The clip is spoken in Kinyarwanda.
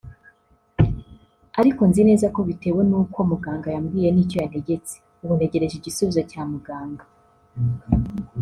Ariko nzi neza ko bitewe nuko muganga yambwiye n’icyo yantegetse ubu ntegereje igisubizo cya muganga